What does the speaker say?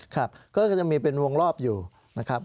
ครับก็จะมีเป็นวงรอบอยู่นะครับ